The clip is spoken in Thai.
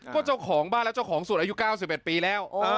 ก็เจ้าของบ้านแล้วเจ้าของสูตรอายุ๙๑ปีแล้ว